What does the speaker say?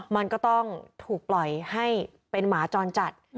มันก็ต้องถูกปล่อยให้เป็นหมาจรจัด